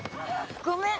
ごめん。